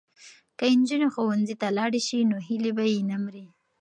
که نجونې ښوونځي ته لاړې شي نو هیلې به یې نه مري.